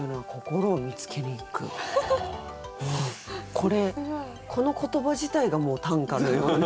これこの言葉自体がもう短歌のような。